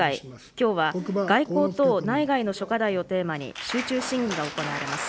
きょうは外交等内外の諸課題をテーマに、集中審議が行われます。